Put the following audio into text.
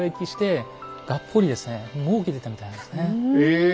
え！